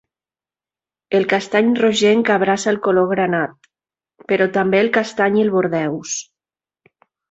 El castany rogenc abraça el color granat, però també el castany i el bordeus.